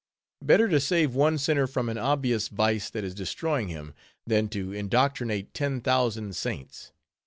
Better to save one sinner from an obvious vice that is destroying him, than to indoctrinate ten thousand saints.